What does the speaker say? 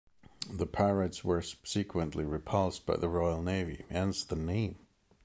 The pirates were subsequently repulsed by the Royal Navy, hence the name.